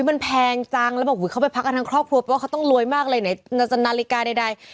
มันแพงจังแล้วบอกเขาไปพักกันทั้งครอบครัวเพราะว่าเขาต้องรวยมากเลยไหนนาฬิกาใด